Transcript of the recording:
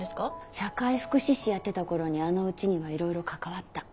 社会福祉士やってた頃にあのうちにはいろいろ関わった。